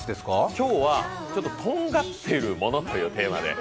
今日はちょっととんがっているものというテーマです。